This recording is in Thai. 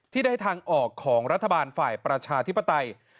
ที่ได้ทางออกของรัฐบาลฝ่ายประชาธิปไตย